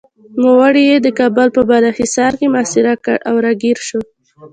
نوموړي یې د کابل په بالاحصار کې محاصره کړ او راګېر شو.